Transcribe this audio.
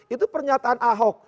itu pernyataan ahok